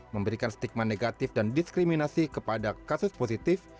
memberikan stigma negatif dan diskriminasi kepada kasus positif